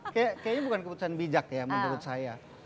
kayaknya bukan keputusan bijak ya menurut saya